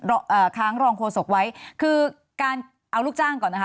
เอ่อค้างรองโฆษกไว้คือการเอาลูกจ้างก่อนนะคะ